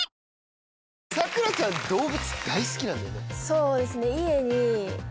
そうですね。